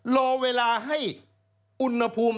รอเวลาให้อุณหภูมิ